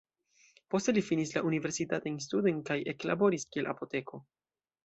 Poste li finis la universitatajn studojn kaj eklaboris kiel apoteko.